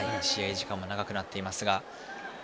時間も長くなっています。